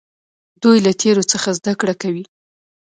دوی له تیرو څخه زده کړه کوي.